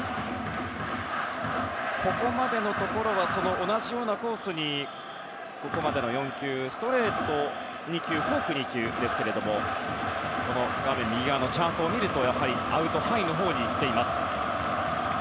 ここまでのところ同じようなコースにここまでの４球ストレート２球フォーク２球ですけども画面右側のチャートを見るとアウトハイのほうにいっている。